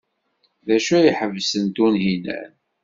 D acu ay iḥebsen Tunhinan?